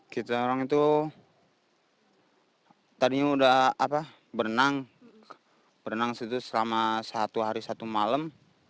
kita orang itu tadinya udah berenang selama satu hari satu malam